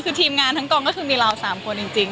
คือทีมงานทั้งกองก็คือมีเรา๓คนจริง